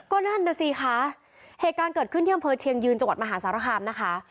ก็นั่นน่ะสิคะเหตุการณ์เกิดขึ้นที่อำเภอเชียงยืนจังหวัดมหาสารคามนะคะ